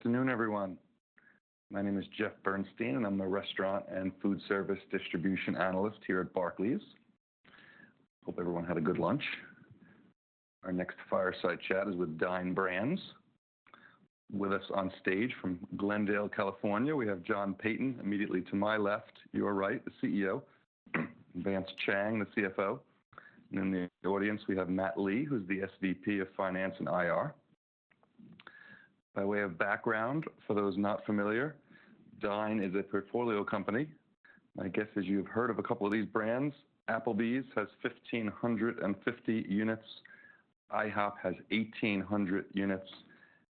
Good afternoon, everyone. My name is Jeff Bernstein, and I'm the restaurant and food service distribution analyst here at Barclays. Hope everyone had a good lunch. Our next fireside chat is with Dine Brands. With us on stage from Glendale, California, we have John Peyton immediately to my left, to your right, the CEO. Vance Chang, the CFO. And in the audience, we have Matt Lee, who's the SVP of Finance and IR. By way of background, for those not familiar, Dine is a portfolio company. My guess is you've heard of a couple of these brands. Applebee's has 1,550 units. IHOP has 1,800 units.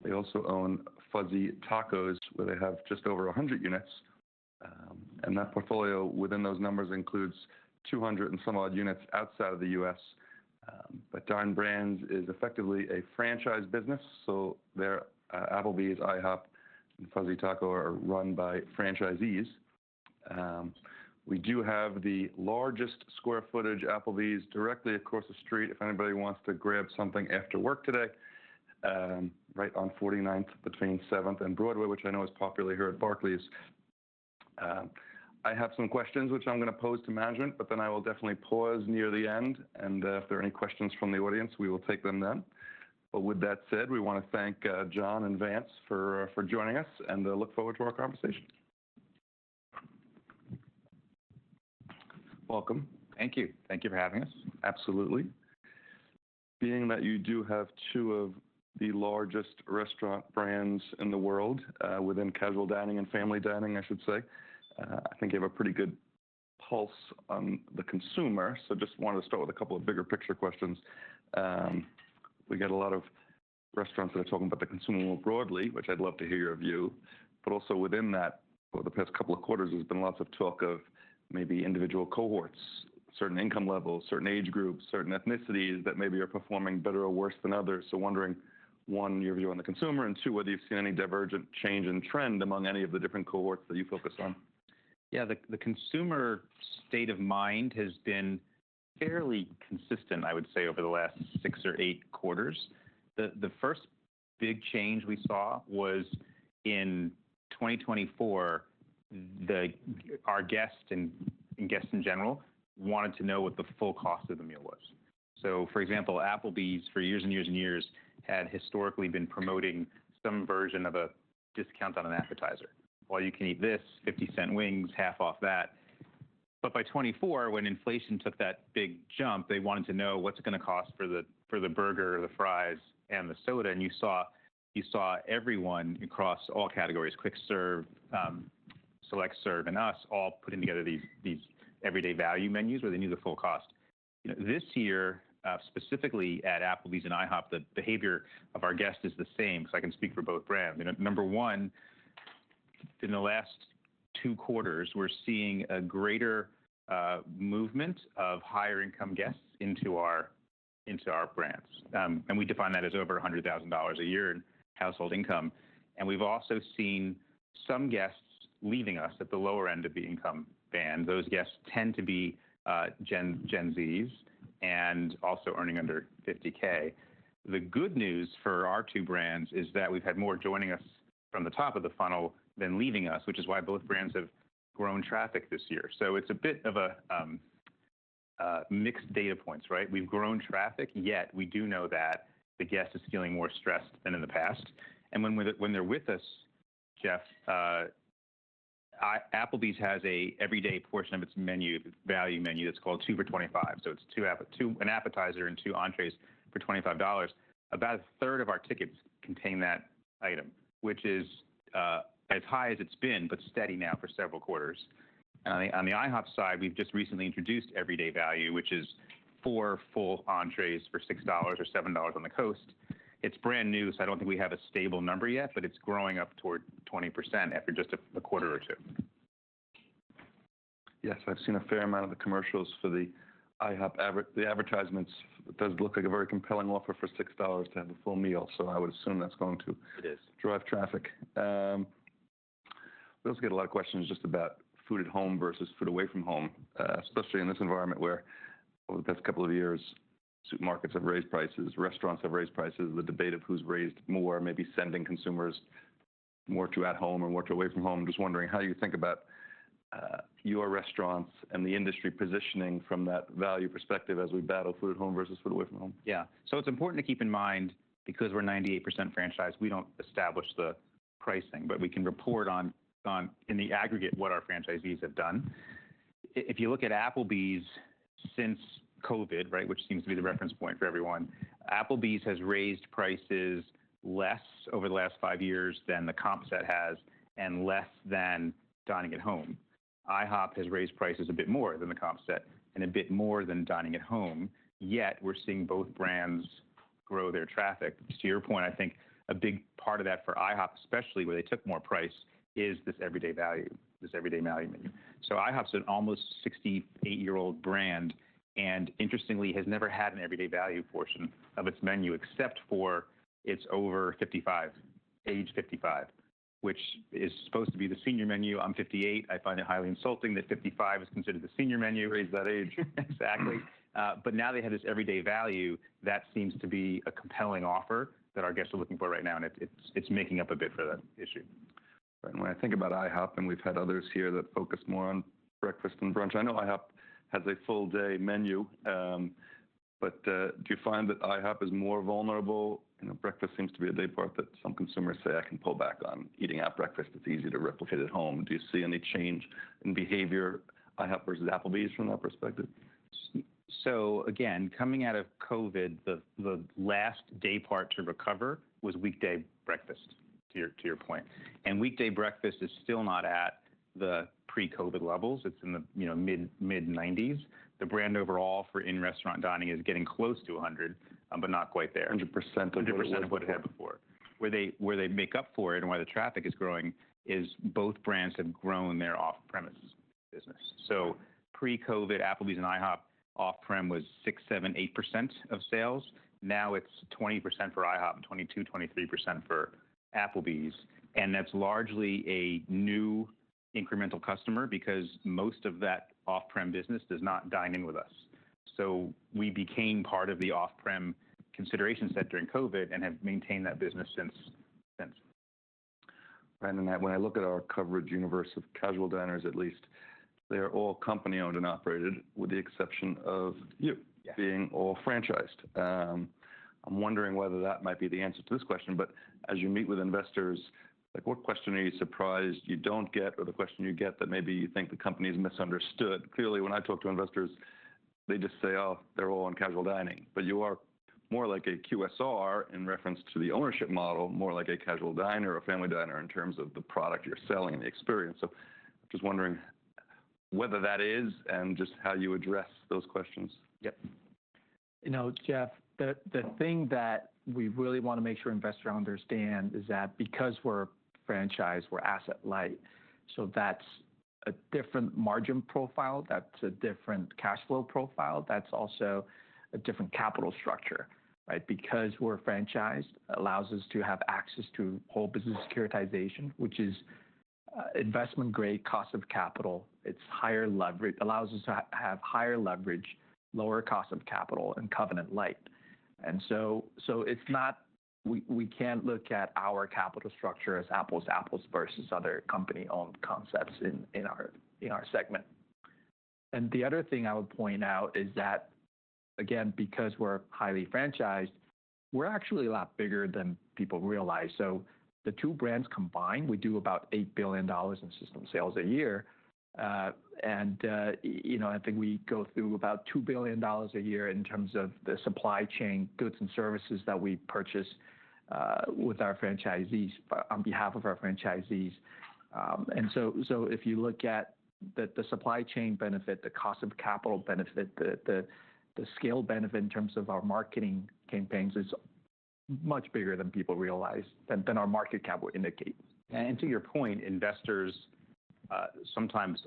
They also own Fuzzy's Tacos, where they have just over 100 units. And that portfolio within those numbers includes 200 and some odd units outside of the U.S. But Dine Brands is effectively a franchise business, so Applebee's, IHOP, and Fuzzy's Tacos are run by franchisees. We do have the largest square footage Applebee's directly across the street if anybody wants to grab something after work today, right on 49th between 7th and Broadway, which I know is popular here at Barclays. I have some questions which I'm going to pose to management, but then I will definitely pause near the end, and if there are any questions from the audience, we will take them then. But with that said, we want to thank John and Vance for joining us and look forward to our conversation. Welcome. Thank you. Thank you for having us. Absolutely. Being that you do have two of the largest restaurant brands in the world within casual dining and family dining, I should say, I think you have a pretty good pulse on the consumer. So just wanted to start with a couple of bigger picture questions. We get a lot of restaurants that are talking about the consumer more broadly, which I'd love to hear your view. But also within that, over the past couple of quarters, there's been lots of talk of maybe individual cohorts, certain income levels, certain age groups, certain ethnicities that maybe are performing better or worse than others. So wondering, one, your view on the consumer, and two, whether you've seen any divergent change in trend among any of the different cohorts that you focus on. Yeah, the consumer state of mind has been fairly consistent, I would say, over the last six or eight quarters. The first big change we saw was in 2024. Our guests and guests in general wanted to know what the full cost of the meal was. So, for example, Applebee's for years and years and years had historically been promoting some version of a discount on an appetizer, well, you can eat this, $0.50 wings, half off that. But by 2024, when inflation took that big jump, they wanted to know what's it going to cost for the burger, the fries, and the soda, and you saw everyone across all categories: quick serve, select serve, and us all putting together these everyday value menus where they knew the full cost. This year, specifically at Applebee's and IHOP, the behavior of our guests is the same, so I can speak for both brands. Number one, in the last two quarters, we're seeing a greater movement of higher-income guests into our brands, and we define that as over $100,000 a year in household income, and we've also seen some guests leaving us at the lower end of the income band. Those guests tend to be Gen Zs and also earning under 50K. The good news for our two brands is that we've had more joining us from the top of the funnel than leaving us, which is why both brands have grown traffic this year, so it's a bit of a mixed data points, right? We've grown traffic, yet we do know that the guest is feeling more stressed than in the past. When they're with us, Jeff, Applebee's has an everyday portion of its menu, value menu, that's called 2 for $25. So it's an appetizer and two entrées for $25. About a third of our tickets contain that item, which is as high as it's been, but steady now for several quarters. On the IHOP side, we've just recently introduced Everyday Value, which is four full entrées for $6 or $7 on the coast. It's brand new, so I don't think we have a stable number yet, but it's growing up toward 20% after just a quarter or two. Yes, I've seen a fair amount of the commercials for the IHOP advertisements. It does look like a very compelling offer for $6 to have a full meal. So I would assume that's going to drive traffic. We also get a lot of questions just about food at home versus food away from home, especially in this environment where over the past couple of years, supermarkets have raised prices, restaurants have raised prices, the debate of who's raised more, maybe sending consumers more to at home or more to away from home. Just wondering, how do you think about your restaurants and the industry positioning from that value perspective as we battle food at home versus food away from home? Yeah. So it's important to keep in mind, because we're 98% franchise, we don't establish the pricing, but we can report on, in the aggregate, what our franchisees have done. If you look at Applebee's since COVID, right, which seems to be the reference point for everyone, Applebee's has raised prices less over the last five years than the comp set has and less than dining at home. IHOP has raised prices a bit more than the comp set and a bit more than dining at home, yet we're seeing both brands grow their traffic. To your point, I think a big part of that for IHOP, especially where they took more price, is this Everyday Value, this Everyday Value menu. IHOP's an almost 68-year-old brand and, interestingly, has never had an Everyday Value portion of its menu except for its over 55, age 55, which is supposed to be the senior menu. I'm 58. I find it highly insulting that 55 is considered the senior menu. Raise that age. Exactly. But now they have this Everyday Value that seems to be a compelling offer that our guests are looking for right now, and it's making up a bit for that issue. When I think about IHOP, and we've had others here that focus more on breakfast and brunch, I know IHOP has a full-day menu. But do you find that IHOP is more vulnerable? Breakfast seems to be a day part that some consumers say, "I can pull back on eating at breakfast. It's easy to replicate at home." Do you see any change in behavior IHOP versus Applebee's from that perspective? So again, coming out of COVID, the last day part to recover was weekday breakfast, to your point. And weekday breakfast is still not at the pre-COVID levels. It's in the mid-90s. The brand overall for in-restaurant dining is getting close to 100, but not quite there. 100% of what it had before. Where they make up for it and why the traffic is growing is both brands have grown their off-premise business. So pre-COVID, Applebee's and IHOP off-prem was 6-8% of sales. Now it's 20% for IHOP and 22-23% for Applebee's. And that's largely a new incremental customer because most of that off-prem business does not dine in with us. So we became part of the off-prem consideration set during COVID and have maintained that business since. When I look at our coverage universe of casual diners, at least, they're all company-owned and operated, with the exception of you being all franchised. I'm wondering whether that might be the answer to this question. But as you meet with investors, what question are you surprised you don't get, or the question you get that maybe you think the company's misunderstood? Clearly, when I talk to investors, they just say, "Oh, they're all in casual dining." But you are more like a QSR in reference to the ownership model, more like a casual diner or family diner in terms of the product you're selling and the experience. So I'm just wondering whether that is and just how you address those questions. You know, Jeff, the thing that we really want to make sure investors understand is that because we're franchised, we're asset-light. So that's a different margin profile. That's a different cash flow profile. That's also a different capital structure, right? Because we're franchised, it allows us to have access to whole business securitization, which is investment-grade cost of capital. It allows us to have higher leverage, lower cost of capital, and covenant-lite. And so we can look at our capital structure as apples to apples versus other company-owned concepts in our segment. And the other thing I would point out is that, again, because we're highly franchised, we're actually a lot bigger than people realize. So the two brands combined, we do about $8 billion in system sales a year. And I think we go through about $2 billion a year in terms of the supply chain goods and services that we purchase with our franchisees on behalf of our franchisees. And so if you look at the supply chain benefit, the cost of capital benefit, the scale benefit in terms of our marketing campaigns is much bigger than people realize than our market cap would indicate. And to your point, investors sometimes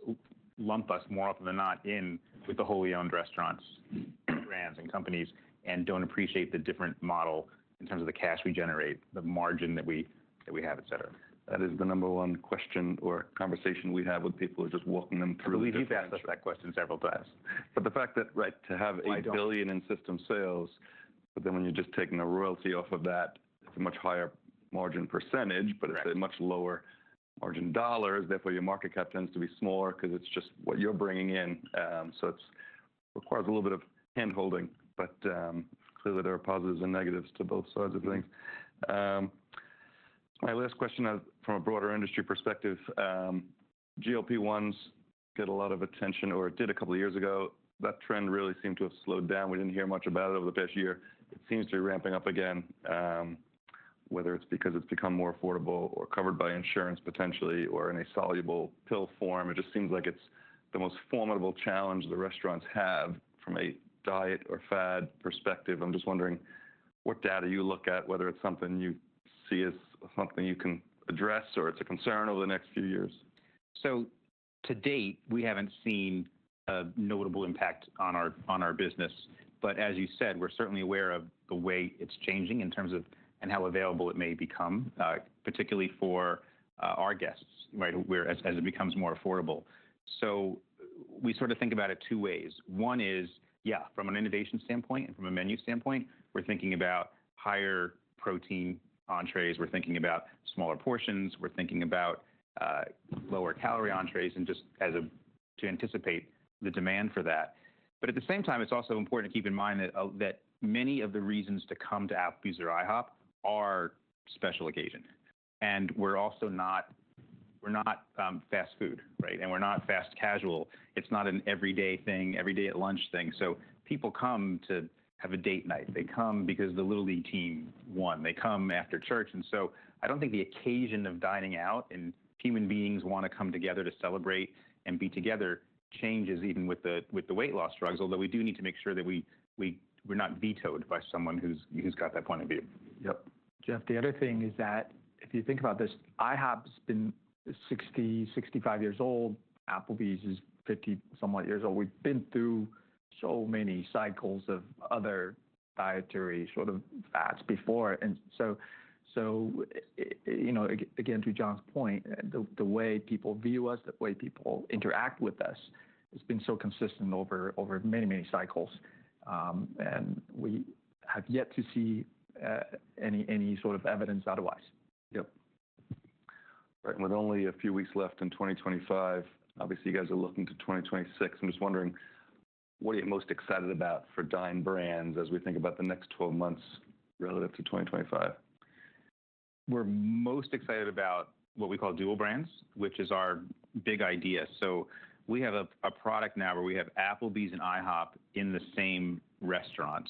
lump us more often than not in with the wholly-owned restaurants, brands, and companies and don't appreciate the different model in terms of the cash we generate, the margin that we have, et cetera. That is the number one question or conversation we have with people who are just walking them through this. We do ask that question several times. But the fact that, right, to have $8 billion in system sales but then when you're just taking the royalty off of that, it's a much higher margin percentage but it's a much lower margin dollars. Therefore, your market cap tends to be smaller because it's just what you're bringing in, so it requires a little bit of hand-holding. But clearly, there are positives and negatives to both sides of things. My last question from a broader industry perspective. GLP-1s get a lot of attention or did a couple of years ago. That trend really seemed to have slowed down. We didn't hear much about it over the past year. It seems to be ramping up again, whether it's because it's become more affordable or covered by insurance potentially or in a soluble pill form. It just seems like it's the most formidable challenge the restaurants have from a diet or fad perspective. I'm just wondering what data you look at, whether it's something you see as something you can address or it's a concern over the next few years? So to date, we haven't seen a notable impact on our business. But as you said, we're certainly aware of the way it's changing in terms of and how available it may become, particularly for our guests, right, as it becomes more affordable. So we sort of think about it two ways. One is, yeah, from an innovation standpoint and from a menu standpoint, we're thinking about higher protein entrées. We're thinking about smaller portions. We're thinking about lower-calorie entrées and just to anticipate the demand for that. But at the same time, it's also important to keep in mind that many of the reasons to come to Applebee's or IHOP are special occasion. And we're also not fast food, right? And we're not fast casual. It's not an everyday thing, everyday at lunch thing. So people come to have a date night. They come because the Little League team won. They come after church. And so I don't think the occasion of dining out and human beings want to come together to celebrate and be together changes even with the weight loss drugs, although we do need to make sure that we're not vetoed by someone who's got that point of view. Yep. Jeff, the other thing is that if you think about this, IHOP's been 60, 65 years old. Applebee's is 50-somewhat years old. We've been through so many cycles of other dietary sort of fads before. And so again, to John's point, the way people view us, the way people interact with us, it's been so consistent over many, many cycles. And we have yet to see any sort of evidence otherwise. Yep. Right. With only a few weeks left in 2025, obviously, you guys are looking to 2026. I'm just wondering, what are you most excited about for Dine Brands as we think about the next 12 months relative to 2025? We're most excited about what we call Dual Brands, which is our big idea. So we have a product now where we have Applebee's and IHOP in the same restaurant.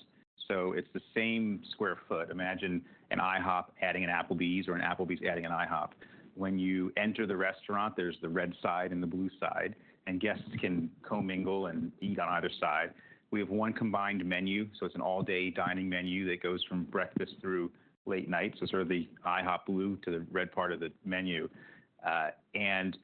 So it's the same square foot. Imagine an IHOP adding an Applebee's or an Applebee's adding an IHOP. When you enter the restaurant, there's the red side and the blue side, and guests can co-mingle and eat on either side. We have one combined menu, so it's an all-day dining menu that goes from breakfast through late night, so sort of the IHOP blue to the red part of the menu. And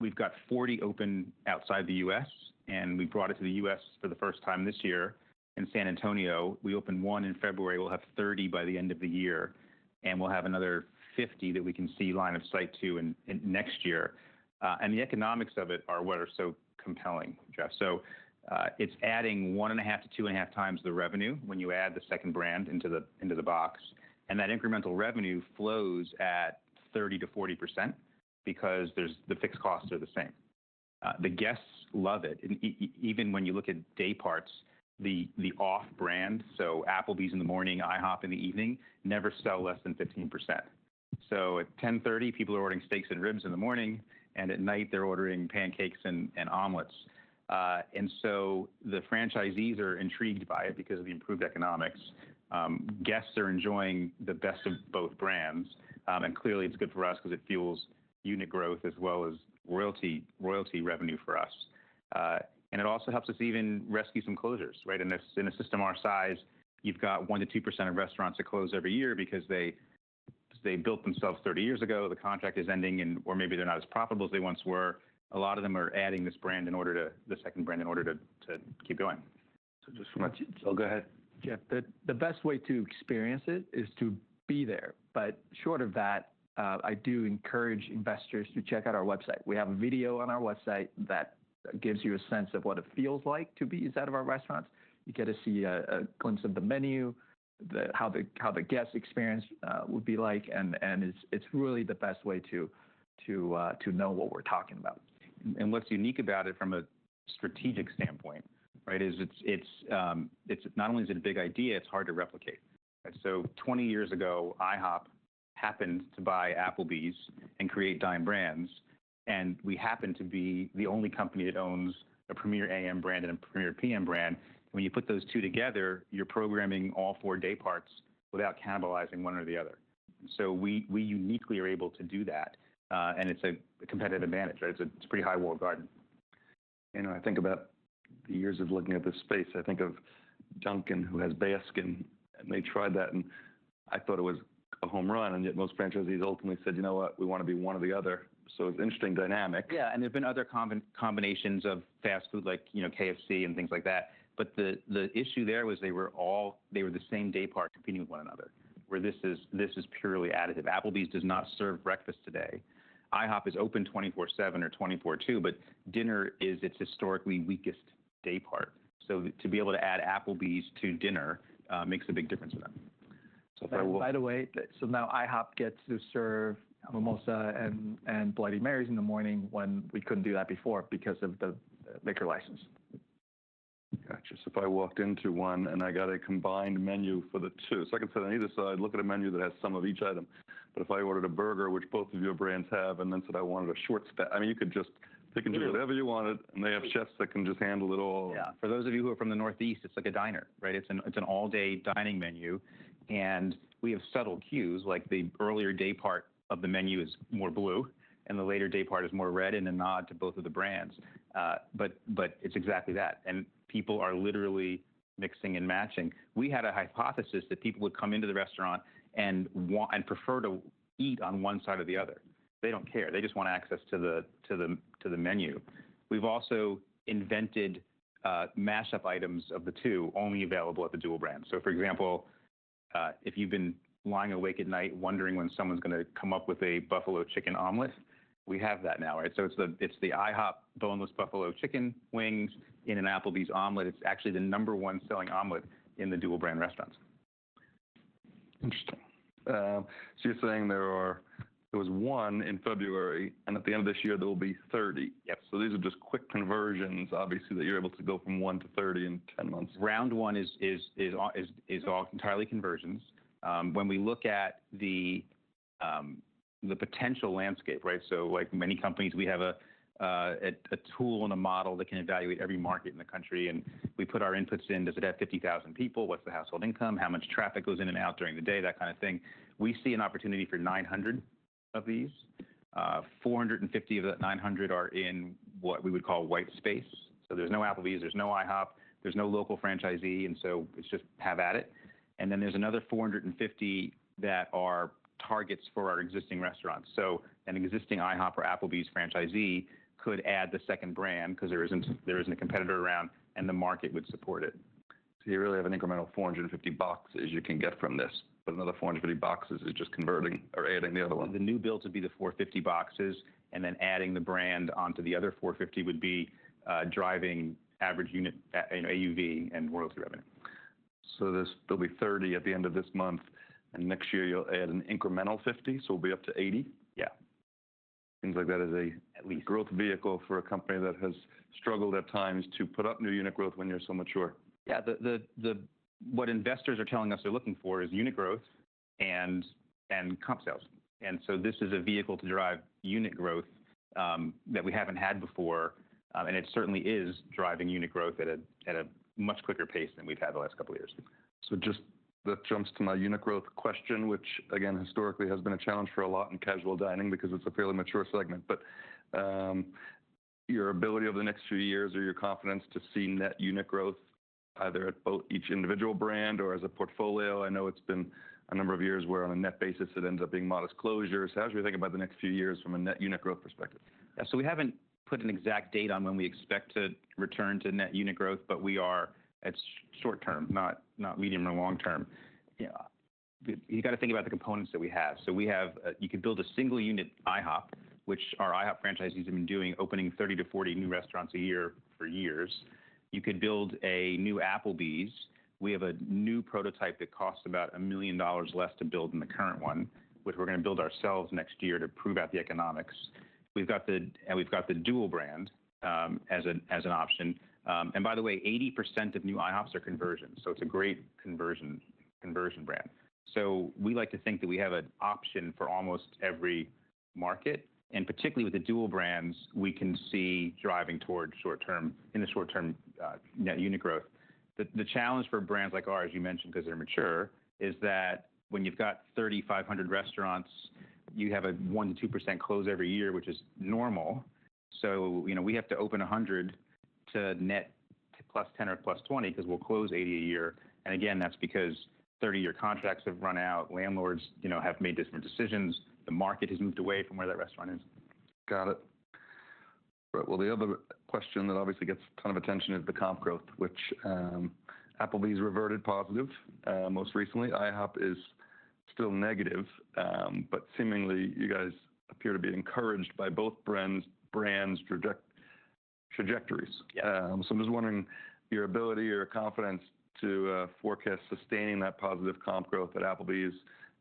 we've got 40 open outside the U.S., and we brought it to the U.S. for the first time this year in San Antonio. We opened one in February. We'll have 30 by the end of the year, and we'll have another 50 that we can see line of sight to next year. And the economics of it are what are so compelling, Jeff. So it's adding one and a half to two and a half times the revenue when you add the second brand into the box. And that incremental revenue flows at 30%-40% because the fixed costs are the same. The guests love it. Even when you look at day parts, the off-brand, so Applebee's in the morning, IHOP in the evening, never sell less than 15%. So at 10:30 A.M., people are ordering steaks and ribs in the morning, and at night, they're ordering pancakes and omelets. And so the franchisees are intrigued by it because of the improved economics. Guests are enjoying the best of both brands. Clearly, it's good for us because it fuels unit growth as well as royalty revenue for us. It also helps us even rescue some closures, right? In a system our size, you've got 1%-2% of restaurants that close every year because they built themselves 30 years ago. The contract is ending, or maybe they're not as profitable as they once were. A lot of them are adding this brand in order to the second brand in order to keep going. Just from a... Oh, go ahead. Jeff, the best way to experience it is to be there. But short of that, I do encourage investors to check out our website. We have a video on our website that gives you a sense of what it feels like to be inside of our restaurants. You get to see a glimpse of the menu, how the guest experience would be like. And it's really the best way to know what we're talking about. And what's unique about it from a strategic standpoint, right, is not only is it a big idea, it's hard to replicate. So 20 years ago, IHOP happened to buy Applebee's and create Dine Brands. And we happen to be the only company that owns a Premier AM brand and a Premier PM brand. When you put those two together, you're programming all four day parts without cannibalizing one or the other. So we uniquely are able to do that. And it's a competitive advantage, right? It's a pretty high walled garden. You know, I think about the years of looking at this space. I think of Dunkin', who has Baskin's, and they tried that, and I thought it was a home run. And yet most franchisees ultimately said, "You know what? We want to be one or the other." So it's an interesting dynamic. Yeah. And there've been other combinations of fast food, like KFC and things like that. But the issue there was they were the same day part competing with one another, where this is purely additive. Applebee's does not serve breakfast today. IHOP is open 24/7 or 24/2, but dinner is its historically weakest day part. So to be able to add Applebee's to dinner makes a big difference for them. So by the way... So now IHOP gets to serve mimosa and Bloody Marys in the morning when we couldn't do that before because of the liquor license. Gotcha. So if I walked into one and I got a combined menu for the two, so I can sit on either side, look at a menu that has some of each item. But if I ordered a burger, which both of your brands have, and then said I wanted a short stack, I mean, you could just pick and choose whatever you wanted, and they have chefs that can just handle it all. Yeah. For those of you who are from the Northeast, it's like a diner, right? It's an all-day dining menu. And we have subtle cues, like the earlier day part of the menu is more blue, and the later day part is more red in a nod to both of the brands. But it's exactly that. And people are literally mixing and matching. We had a hypothesis that people would come into the restaurant and prefer to eat on one side or the other. They don't care. They just want access to the menu. We've also invented mash-up items of the two, only available at the dual brand. So for example, if you've been lying awake at night wondering when someone's going to come up with a buffalo chicken omelet, we have that now, right? So it's the IHOP boneless buffalo chicken wings in an Applebee's omelet. It's actually the number one selling omelet in the dual brand restaurants. Interesting. So you're saying there was one in February, and at the end of this year, there will be 30. Yep. These are just quick conversions, obviously, that you're able to go from one to 30 in 10 months. Round one is entirely conversions. When we look at the potential landscape, right, so like many companies, we have a tool and a model that can evaluate every market in the country. And we put our inputs in. Does it have 50,000 people? What's the household income? How much traffic goes in and out during the day? That kind of thing. We see an opportunity for 900 of these. 450 of that 900 are in what we would call white space. So there's no Applebee's. There's no IHOP. There's no local franchisee. And so it's just have at it. And then there's another 450 that are targets for our existing restaurants. So an existing IHOP or Applebee's franchisee could add the second brand because there isn't a competitor around, and the market would support it. So you really have an incremental 450 boxes you can get from this. But another 450 boxes is just converting or adding the other one. The new build would be the 450 boxes, and then adding the brand onto the other 450 would be driving average unit AUV and royalty revenue. So there'll be 30 at the end of this month. And next year, you'll add an incremental 50, so we'll be up to 80. Yeah. Seems like that is a growth vehicle for a company that has struggled at times to put up new unit growth when you're so mature. Yeah. What investors are telling us they're looking for is unit growth and comp sales. And so this is a vehicle to drive unit growth that we haven't had before. And it certainly is driving unit growth at a much quicker pace than we've had the last couple of years. So just that jumps to my unit growth question, which, again, historically has been a challenge for a lot in casual dining because it's a fairly mature segment. But your ability over the next few years or your confidence to see net unit growth either at each individual brand or as a portfolio. I know it's been a number of years where on a net basis, it ends up being modest closures. How's your thinking about the next few years from a net unit growth perspective? Yeah. So we haven't put an exact date on when we expect to return to net unit growth, but we are at short term, not medium or long term. You got to think about the components that we have. So you could build a single unit IHOP, which our IHOP franchisees have been doing, opening 30 to 40 new restaurants a year for years. You could build a new Applebee's. We have a new prototype that costs about $1 million less to build than the current one, which we're going to build ourselves next year to prove out the economics. And we've got the dual brand as an option. And by the way, 80% of new IHOPs are conversions. So it's a great conversion brand. So we like to think that we have an option for almost every market. And particularly with the dual brands, we can see driving toward short-term net unit growth. The challenge for brands like ours, you mentioned, because they're mature, is that when you've got 3,500 restaurants, you have a 1%-2% close every year, which is normal. So we have to open 100 to net plus 10 or plus 20 because we'll close 80 a year. And again, that's because 30-year contracts have run out. Landlords have made different decisions. The market has moved away from where that restaurant is. Got it. Right. Well, the other question that obviously gets a ton of attention is the comp growth, which Applebee's reverted positive most recently. IHOP is still negative, but seemingly you guys appear to be encouraged by both brands' trajectories. So I'm just wondering your ability or confidence to forecast sustaining that positive comp growth at Applebee's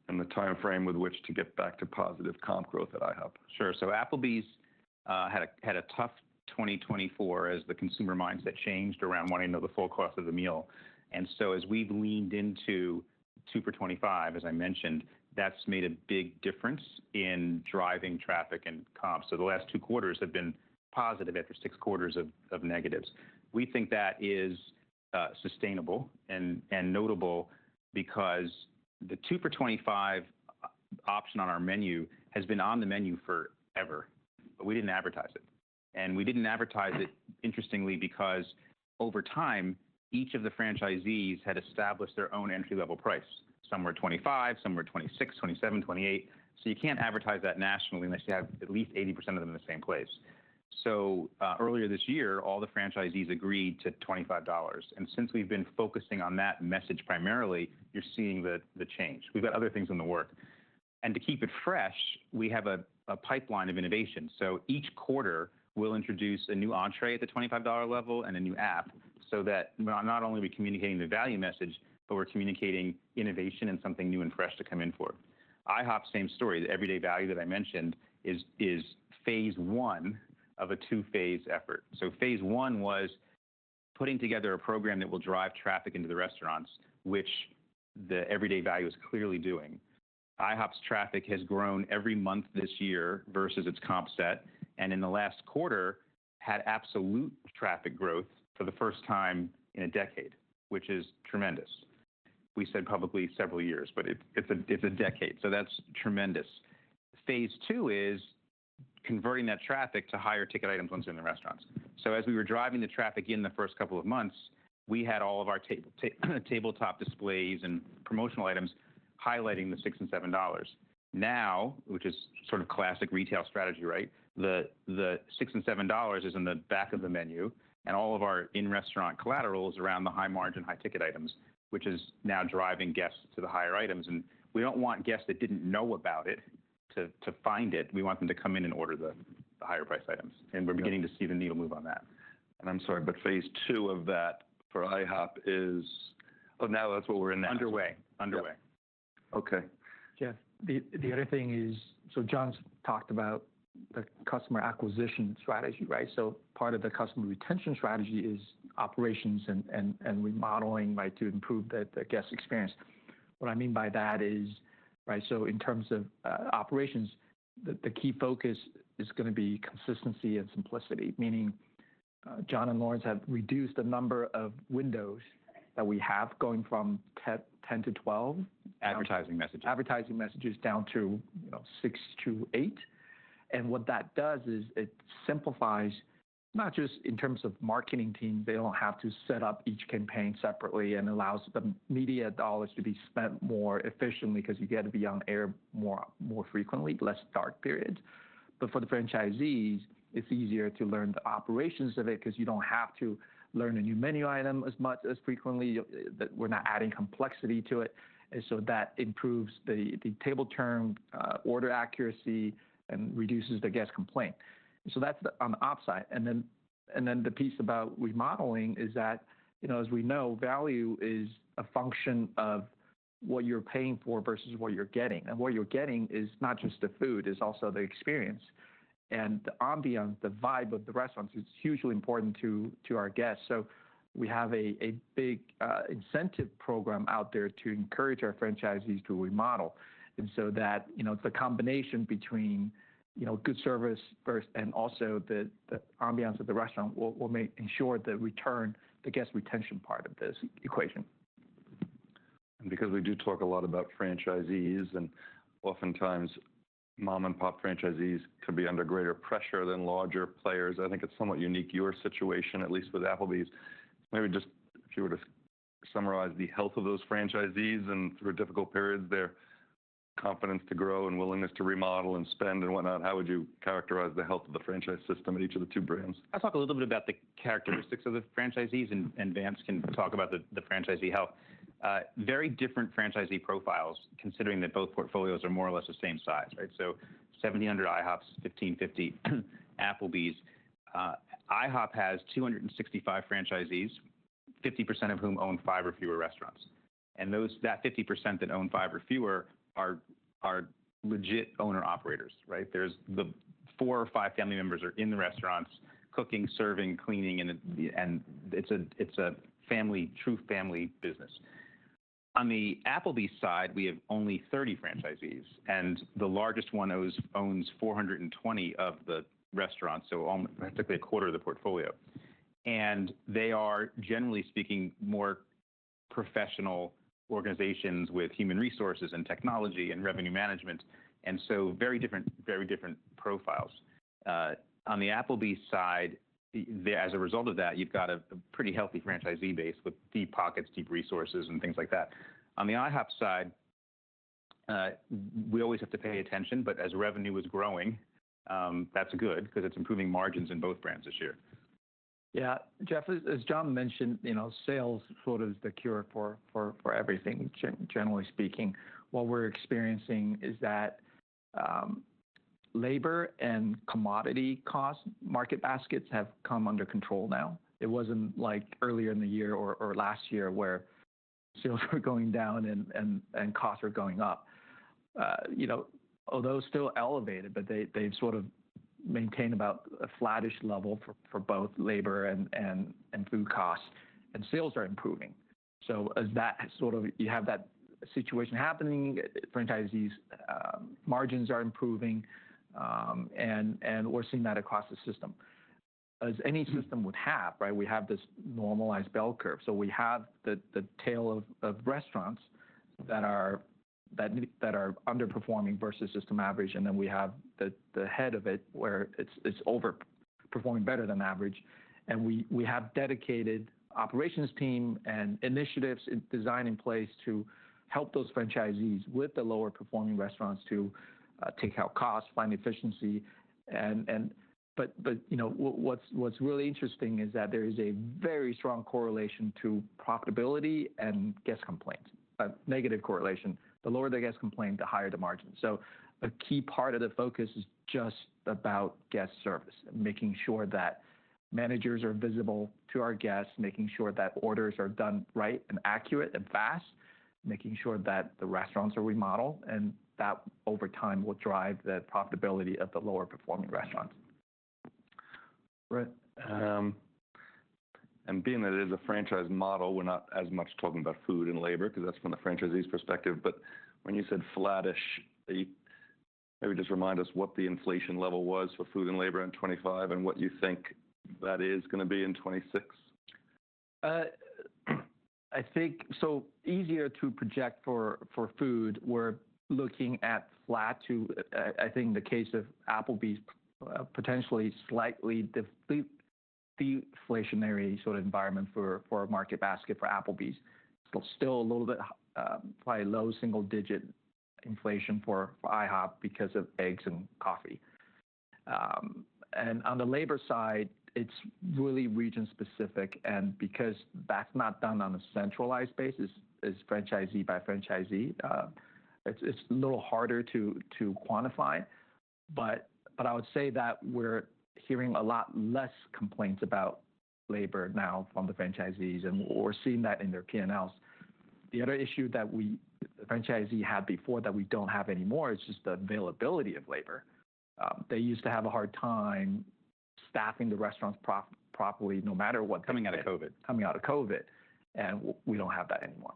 and the time frame with which to get back to positive comp growth at IHOP? Sure. Applebee's had a tough 2024 as the consumer mindset changed around wanting to know the full cost of the meal. So as we've leaned into 2 for $25, as I mentioned, that's made a big difference in driving traffic and comps. The last two quarters have been positive after six quarters of negatives. We think that is sustainable and notable because the 2 for $25 option on our menu has been on the menu forever. We didn't advertise it. We didn't advertise it, interestingly, because over time, each of the franchisees had established their own entry-level price. Some were $25, some were $26, $27, $28. You can't advertise that nationally, unless you have at least 80% of them in the same place. Earlier this year, all the franchisees agreed to $25. And since we've been focusing on that message primarily, you're seeing the change. We've got other things in the works. And to keep it fresh, we have a pipeline of innovation. So each quarter, we'll introduce a new entree at the $25 level and a new app so that not only are we communicating the value message, but we're communicating innovation and something new and fresh to come in for. IHOP, same story. The Everyday Value that I mentioned is phase one of a two-phase effort. So phase one was putting together a program that will drive traffic into the restaurants, which the Everyday Value is clearly doing. IHOP's traffic has grown every month this year versus its comp set. And in the last quarter, had absolute traffic growth for the first time in a decade, which is tremendous. We said publicly several years, but it's a decade. So that's tremendous. Phase two is converting that traffic to higher ticket items once they're in the restaurants. So as we were driving the traffic in the first couple of months, we had all of our tabletop displays and promotional items highlighting the $6 and $7. Now, which is sort of classic retail strategy, right? The $6 and $7 is in the back of the menu. And all of our in-restaurant collateral is around the high-margin, high-ticket items, which is now driving guests to the higher items. And we don't want guests that didn't know about it to find it. We want them to come in and order the higher-priced items. And we're beginning to see the needle move on that. I'm sorry, but phase two of that for IHOP is, oh, now that's where we're in that. Underway. Underway. Okay. Jeff, the other thing is, so John's talked about the customer acquisition strategy, right? So part of the customer retention strategy is operations and remodeling to improve the guest experience. What I mean by that is, right, so in terms of operations, the key focus is going to be consistency and simplicity, meaning John and Lawrence have reduced the number of windows that we have going from 10 to 12. Advertising messages. Advertising messages down to six to eight. And what that does is it simplifies, not just in terms of marketing teams. They don't have to set up each campaign separately and allows the media dollars to be spent more efficiently because you get to be on air more frequently, less dark periods. But for the franchisees, it's easier to learn the operations of it because you don't have to learn a new menu item as frequently. We're not adding complexity to it. And so that improves the table-turn order accuracy and reduces the guest complaint. So that's on the op side. And then the piece about remodeling is that, as we know, value is a function of what you're paying for versus what you're getting. And what you're getting is not just the food. It's also the experience. And the ambiance, the vibe of the restaurants is hugely important to our guests. So we have a big incentive program out there to encourage our franchisees to remodel. And so that the combination between good service first and also the ambiance of the restaurant will ensure the return, the guest retention part of this equation. Because we do talk a lot about franchisees, and oftentimes mom-and-pop franchisees can be under greater pressure than larger players, I think it's somewhat unique to your situation, at least with Applebee's. Maybe just if you were to summarize the health of those franchisees and through difficult periods, their confidence to grow and willingness to remodel and spend and whatnot, how would you characterize the health of the franchise system at each of the two brands? I'll talk a little bit about the characteristics of the franchisees, and Vance can talk about the franchisee health. Very different franchisee profiles, considering that both portfolios are more or less the same size, right? So 1,700 IHOPs, 1,550 Applebee's. IHOP has 265 franchisees, 50% of whom own five or fewer restaurants. And that 50% that own five or fewer are legit owner-operators, right? The four or five family members are in the restaurants, cooking, serving, cleaning, and it's a true family business. On the Applebee's side, we have only 30 franchisees, and the largest one owns 420 of the restaurants, so practically a quarter of the portfolio. And they are, generally speaking, more professional organizations with human resources and technology and revenue management. And so very different profiles. On the Applebee's side, as a result of that, you've got a pretty healthy franchisee base with deep pockets, deep resources, and things like that. On the IHOP side, we always have to pay attention, but as revenue is growing, that's good because it's improving margins in both brands this year. Yeah. Jeff, as John mentioned, sales sort of is the cure for everything, generally speaking. What we're experiencing is that labor and commodity cost market baskets have come under control now. It wasn't like earlier in the year or last year where sales were going down and costs were going up. Although still elevated, but they've sort of maintained about a flattish level for both labor and food costs, and sales are improving. So as that sort of you have that situation happening, franchisees' margins are improving, and we're seeing that across the system. As any system would have, right? We have this normalized bell curve, so we have the tail of restaurants that are underperforming versus system average, and then we have the head of it where it's overperforming better than average. We have dedicated operations team and initiatives and design in place to help those franchisees with the lower-performing restaurants to take out costs, find efficiency. What's really interesting is that there is a very strong correlation to profitability and guest complaints. A negative correlation. The lower the guest complaint, the higher the margin. A key part of the focus is just about guest service, making sure that managers are visible to our guests, making sure that orders are done right and accurate and fast, making sure that the restaurants are remodeled. That, over time, will drive the profitability of the lower-performing restaurants. Right. And being that it is a franchise model, we're not as much talking about food and labor because that's from the franchisee's perspective. But when you said flattish, maybe just remind us what the inflation level was for food and labor in 2025 and what you think that is going to be in 2026? I think it's easier to project for food. We're looking at flat to, I think, in the case of Applebee's, potentially slightly deflationary sort of environment for a market basket for Applebee's. Still a little bit probably low single-digit inflation for IHOP because of eggs and coffee. And on the labor side, it's really region-specific. And because that's not done on a centralized basis, it's franchisee by franchisee, it's a little harder to quantify. But I would say that we're hearing a lot less complaints about labor now from the franchisees. And we're seeing that in their P&Ls. The other issue that the franchisees had before that we don't have anymore is just the availability of labor. They used to have a hard time staffing the restaurants properly no matter what. Coming out of COVID. Coming out of COVID. And we don't have that anymore.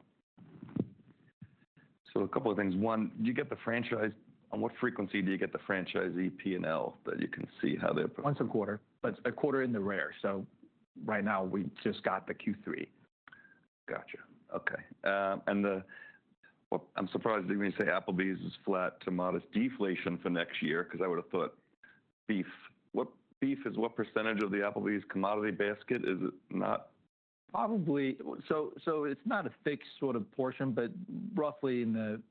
So a couple of things. One, do you get the franchise? On what frequency do you get the franchisee P&L that you can see how they're? Once a quarter. But a quarter in arrears. So right now, we just got the Q3. Gotcha. Okay. And I'm surprised when you say Applebee's is flat to modest deflation for next year because I would have thought beef. What beef is what percentage of the Applebee's commodity basket? Is it not? Probably. So it's not a fixed sort of portion, but roughly in the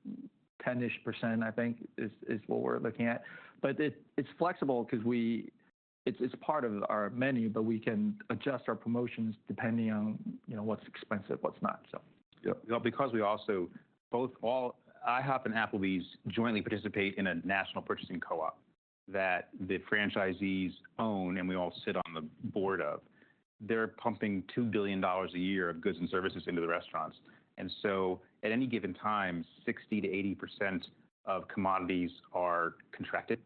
10-ish%, I think, is what we're looking at. But it's flexible because it's part of our menu, but we can adjust our promotions depending on what's expensive, what's not, so. Yeah. Because we also both IHOP and Applebee's jointly participate in a national purchasing co-op that the franchisees own, and we all sit on the board of. They're pumping $2 billion a year of goods and services into the restaurants. And so at any given time, 60%-80% of commodities are contracted.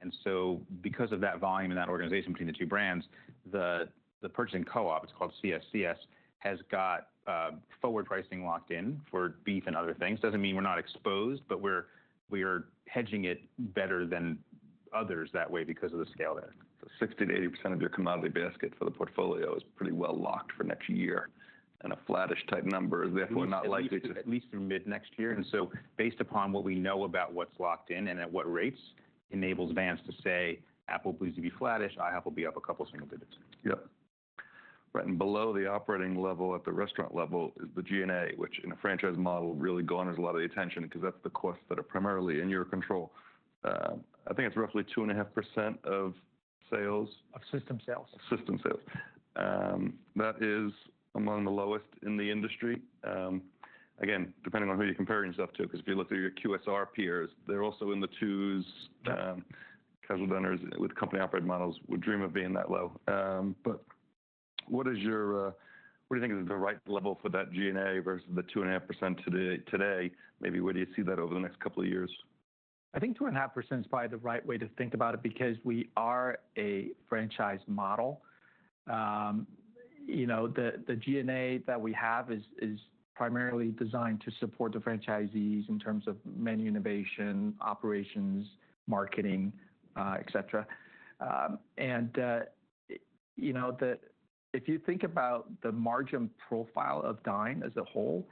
And so because of that volume in that organization between the two brands, the purchasing co-op, it's called CSCS, has got forward pricing locked in for beef and other things. Doesn't mean we're not exposed, but we're hedging it better than others that way because of the scale there. So 60%-80% of your commodity basket for the portfolio is pretty well locked for next year. And a flattish type number is therefore not likely to. At least through mid-next year, and so based upon what we know about what's locked in and at what rates, enables Vance to say Applebee's will be flattish, IHOP will be up a couple of single digits. Yep. Right, and below the operating level at the restaurant level is the G&A, which in a franchise model really garners a lot of the attention because that's the costs that are primarily in your control. I think it's roughly 2.5% of sales. Of system sales. Of system sales. That is among the lowest in the industry. Again, depending on who you're comparing stuff to, because if you look through your QSR peers, they're also in the twos. Casual dinners with company-operated models would dream of being that low. But what do you think is the right level for that G&A versus the 2.5% today? Maybe where do you see that over the next couple of years? I think 2.5% is probably the right way to think about it because we are a franchise model. The G&A that we have is primarily designed to support the franchisees in terms of menu innovation, operations, marketing, etc., and if you think about the margin profile of Dine as a whole,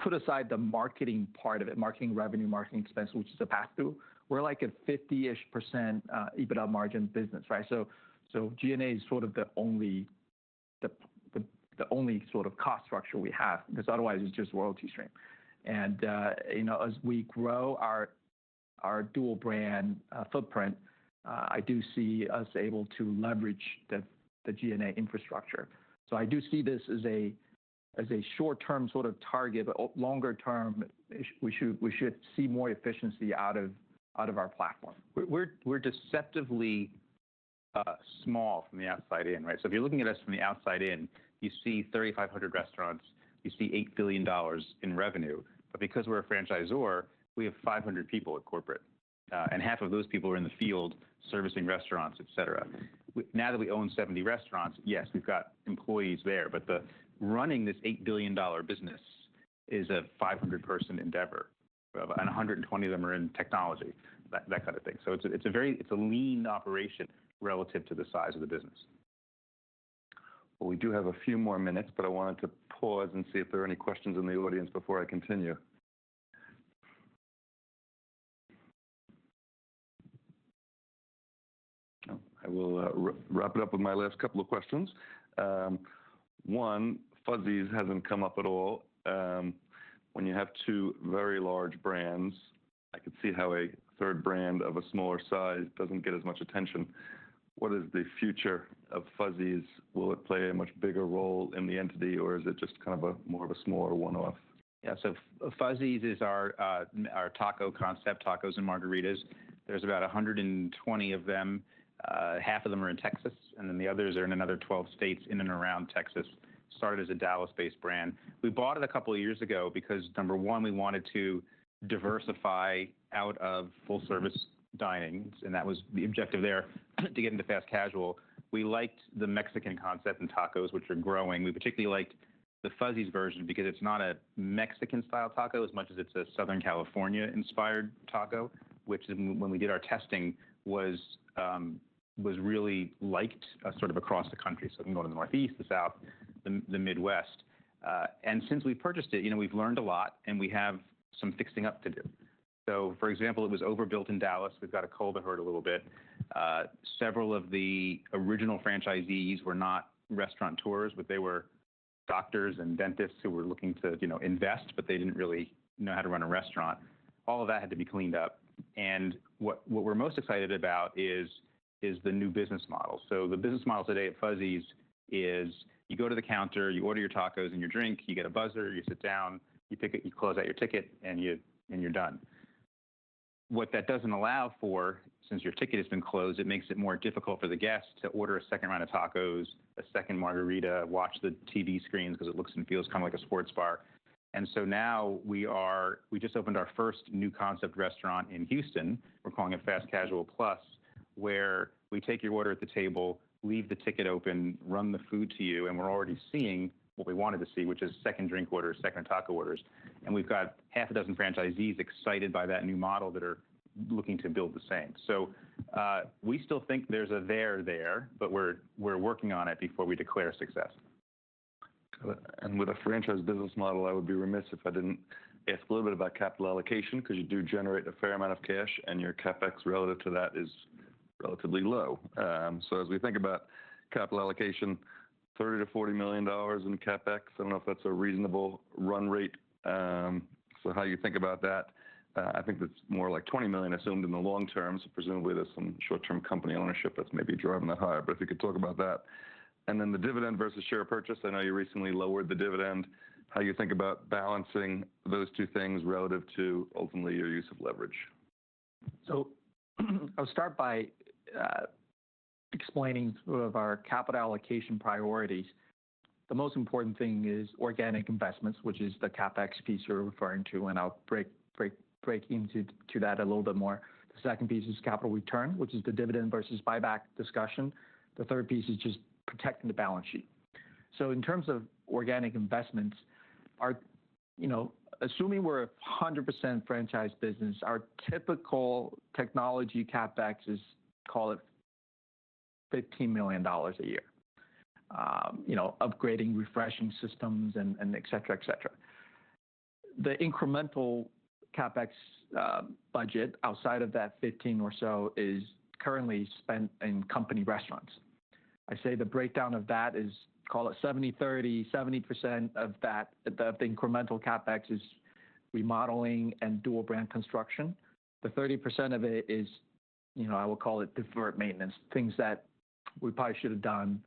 put aside the marketing part of it, marketing revenue, marketing expense, which is a passthrough, we're like a 50-ish% EBITDA margin business, right, so G&A is sort of the only cost structure we have because otherwise it's just royalty stream, and as we grow our dual brand footprint, I do see us able to leverage the G&A infrastructure, so I do see this as a short-term sort of target, but longer term, we should see more efficiency out of our platform. We're deceptively small from the outside in, right? So if you're looking at us from the outside in, you see 3,500 restaurants, you see $8 billion in revenue. But because we're a franchisor, we have 500 people at corporate. And half of those people are in the field servicing restaurants, etc. Now that we own 70 restaurants, yes, we've got employees there. But running this $8 billion business is a 500-person endeavor, and 120 of them are in technology, that kind of thing. So it's a lean operation relative to the size of the business. Well, we do have a few more minutes, but I wanted to pause and see if there are any questions in the audience before I continue. I will wrap it up with my last couple of questions. One, Fuzzy's hasn't come up at all. When you have two very large brands, I could see how a third brand of a smaller size doesn't get as much attention. What is the future of Fuzzy's? Will it play a much bigger role in the entity, or is it just kind of more of a smaller one-off? Yeah. So Fuzzy's is our taco concept, tacos and margaritas. There's about 120 of them. Half of them are in Texas, and then the others are in another 12 states in and around Texas. Started as a Dallas-based brand. We bought it a couple of years ago because, number one, we wanted to diversify out of full-service dining, and that was the objective there to get into fast casual. We liked the Mexican concept in tacos, which are growing. We particularly liked the Fuzzy's version because it's not a Mexican-style taco as much as it's a Southern California-inspired taco, which, when we did our testing, was really liked sort of across the country. So it can go in the Northeast, the South, the Midwest. And since we've purchased it, we've learned a lot, and we have some fixing up to do. So, for example, it was overbuilt in Dallas. We've got a cold that hurt a little bit. Several of the original franchisees were not restaurateurs, but they were doctors and dentists who were looking to invest, but they didn't really know how to run a restaurant. All of that had to be cleaned up. And what we're most excited about is the new business model. So the business model today at Fuzzy's is you go to the counter, you order your tacos and your drink, you get a buzzer, you sit down, you close out your ticket, and you're done. What that doesn't allow for, since your ticket has been closed, it makes it more difficult for the guests to order a second round of tacos, a second margarita, watch the TV screens because it looks and feels kind of like a sports bar. And so now we just opened our first new concept restaurant in Houston. We're calling it Fast Casual Plus, where we take your order at the table, leave the ticket open, run the food to you, and we're already seeing what we wanted to see, which is second drink orders, second taco orders, and we've got half a dozen franchisees excited by that new model that are looking to build the same, so we still think there's a there there, but we're working on it before we declare success. Got it. And with a franchise business model, I would be remiss if I didn't ask a little bit about capital allocation because you do generate a fair amount of cash, and your CapEx relative to that is relatively low. So as we think about capital allocation, $30-$40 million in CapEx, I don't know if that's a reasonable run rate. So how you think about that? I think that's more like $20 million assumed in the long term. So presumably, there's some short-term company ownership that's maybe driving that higher. But if you could talk about that. And then the dividend versus share purchase, I know you recently lowered the dividend. How do you think about balancing those two things relative to ultimately your use of leverage? So I'll start by explaining some of our capital allocation priorities. The most important thing is organic investments, which is the CapEx piece you're referring to, and I'll break into that a little bit more. The second piece is capital return, which is the dividend versus buyback discussion. The third piece is just protecting the balance sheet. So in terms of organic investments, assuming we're a 100% franchise business, our typical technology CapEx is, call it $15 million a year, upgrading, refreshing systems, and etc., etc. The incremental CapEx budget outside of that 15 or so is currently spent in company restaurants. I say the breakdown of that is, call it 70/30, 70% of the incremental CapEx is remodeling and dual brand construction. The 30% of it is, I will call it deferred maintenance, things that we probably should have done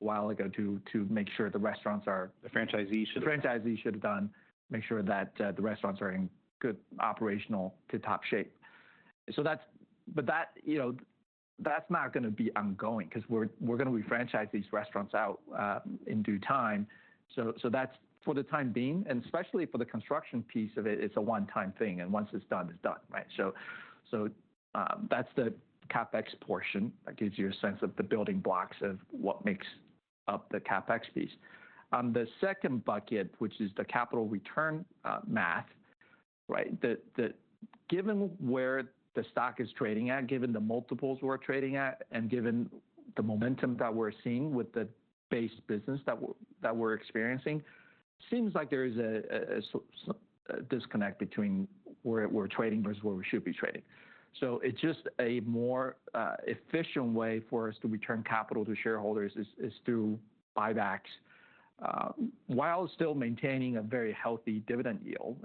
a while ago to make sure the restaurants are. The franchisee should have. The franchisee should have done to make sure that the restaurants are in good operational tip-top shape. But that's not going to be ongoing because we're going to refranchise these restaurants in due time. So that's for the time being. And especially for the construction piece of it, it's a one-time thing. And once it's done, it's done, right? So that's the CapEx portion that gives you a sense of the building blocks of what makes up the CapEx piece. The second bucket, which is the capital return math, right? Given where the stock is trading at, given the multiples we're trading at, and given the momentum that we're seeing with the base business that we're experiencing, it seems like there is a disconnect between where we're trading versus where we should be trading. So it's just a more efficient way for us to return capital to shareholders is through buybacks while still maintaining a very healthy dividend yield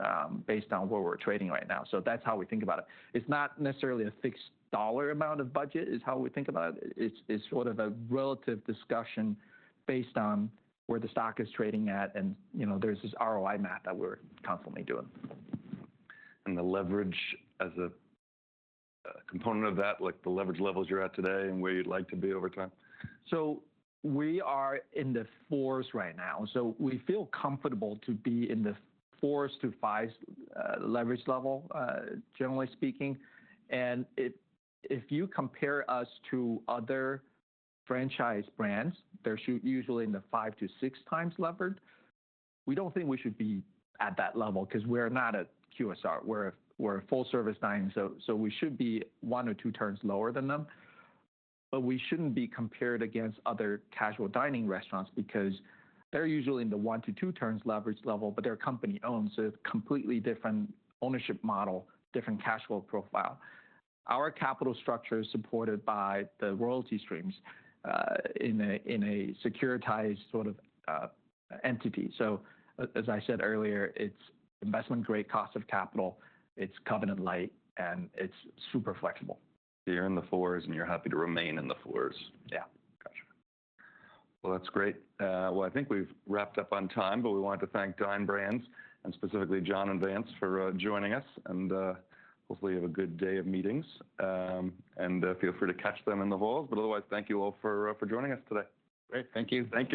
based on where we're trading right now. So that's how we think about it. It's not necessarily a fixed dollar amount of budget is how we think about it. It's sort of a relative discussion based on where the stock is trading at, and there's this ROI math that we're constantly doing. And the leverage as a component of that, like the leverage levels you're at today and where you'd like to be over time? So we are in the fours right now. So we feel comfortable to be in the fours to fives leverage level, generally speaking. And if you compare us to other franchise brands, they're usually in the five to six times levered. We don't think we should be at that level because we're not a QSR. We're a full-service dining. So we should be one or two turns lower than them. But we shouldn't be compared against other casual dining restaurants because they're usually in the one to two turns leverage level, but they're company-owned, so a completely different ownership model, different cash flow profile. Our capital structure is supported by the royalty streams in a securitized sort of entity. So as I said earlier, it's investment-grade cost of capital. It's covenant-lite, and it's super flexible. You're in the fours, and you're happy to remain in the fours. Yeah. Gotcha. Well, that's great. Well, I think we've wrapped up on time, but we wanted to thank Dine Brands and specifically John and Vance for joining us, and hopefully you have a good day of meetings and feel free to catch them in the halls, but otherwise thank you all for joining us today. Great. Thank you. Thank you.